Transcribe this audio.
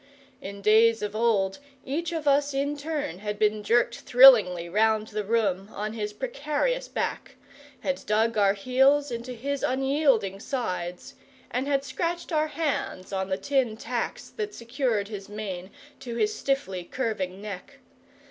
In days of old each of us in turn had been jerked thrillingly round the room on his precarious back, had dug our heels into his unyielding sides, and had scratched our hands on the tin tacks that secured his mane to his stiffly curving neck.